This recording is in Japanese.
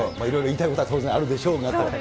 いろいろ言いたいことは当然あるでしょうが。